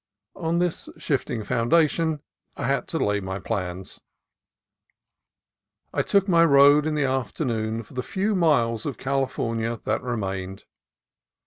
On this shifting foundation I had to lay my plans. I took the road in the afternoon for the few miles of California that remained.